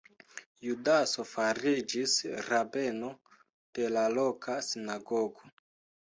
Judaso fariĝis rabeno de la loka sinagogo.